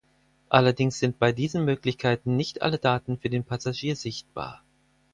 Allerdings sind bei diesen Möglichkeiten nicht alle Daten für den Passagier sichtbar.